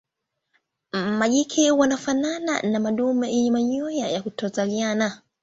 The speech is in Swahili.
Majike wanafanana na madume yenye manyoya ya kutokuzaliana.